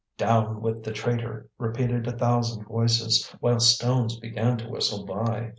"Down with the traitor!" repeated a thousand voices, while stones began to whistle by.